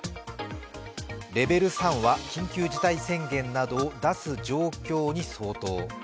レベル３は緊急事態宣言などを出す状況に相当。